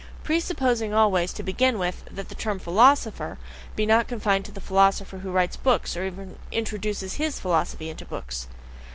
Presupposing always, to begin with, that the term "philosopher" be not confined to the philosopher who writes books, or even introduces HIS philosophy into books!